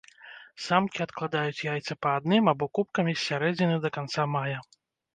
Самкі адкладаюць яйцы па адным або купкамі з сярэдзіны да канца мая.